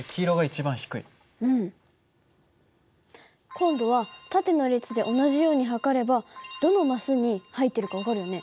今度は縦の列で同じように測ればどのマスに入ってるか分かるよね。